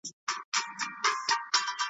ما و تا به هم اخر غاړه غړۍ سو